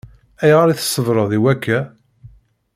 Ayɣer i tṣebreḍ i wakka?